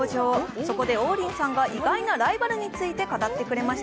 そこで王林さんが意外なライバルについて語ってくれました。